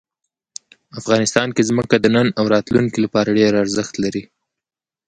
افغانستان کې ځمکه د نن او راتلونکي لپاره ډېر ارزښت لري.